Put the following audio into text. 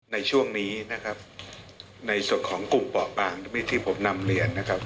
ในช่วงนี้นะครับในส่วนของกลุ่มป่อปางที่ผมนำเรียนนะครับ